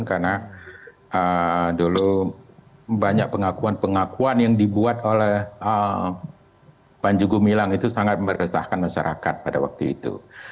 karena dulu banyak pengakuan pengakuan yang dibuat oleh panjugu milang itu sangat meresahkan masyarakat pada waktu itu